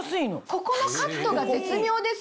ここのカットが絶妙ですよね。